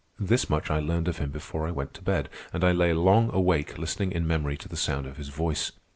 This much I learned of him before I went to bed, and I lay long awake, listening in memory to the sound of his voice.